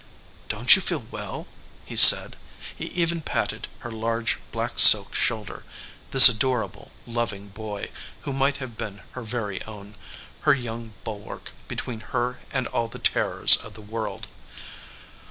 "Don t you feel well ?" he said. He even patted her large black silk shoulder, this adorable, loving boy who might have been her very own, her young bulwark between her and all the terrors of the world.